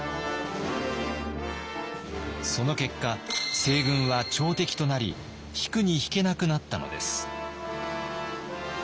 その結果西軍は朝敵となり引くに引けなくなったのです。